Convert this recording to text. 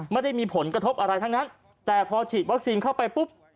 ไม่ได้มีผลกระทบอะไรทั้งนั้นแต่พอฉีดวัคซีนเข้าไปปุ๊บ